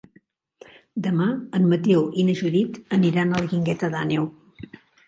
Demà en Mateu i na Judit aniran a la Guingueta d'Àneu.